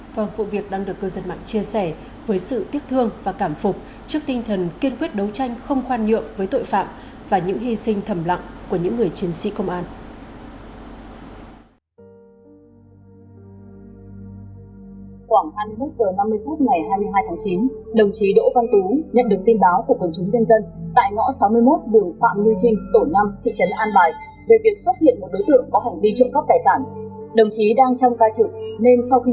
và cuộc việc đang được cơ dân mạng chia sẻ với sự tiếc thương và cảm phục trước tinh thần kiên quyết đấu tranh không khoan nhượng với tội phạm và những hy sinh thầm lặng của những người chiến sĩ công an